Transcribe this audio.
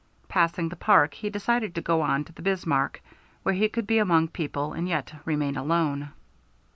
Passing the Park, he decided to go on to the Bismarck, where he could be among people and yet remain alone.